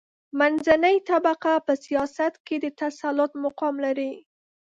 منځنۍ طبقه په سیاست کې د تسلط مقام لري.